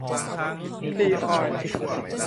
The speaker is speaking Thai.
ซีออยล์